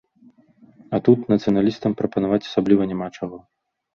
А тут нацыяналістам прапанаваць асабліва няма чаго.